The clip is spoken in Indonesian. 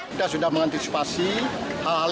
kita sudah mengantisipasi hal hal